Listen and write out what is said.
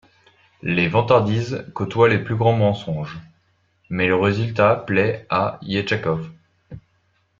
Les vantardises côtoient les plus grands mensonges, mais le résultat plaît à Ierchakov.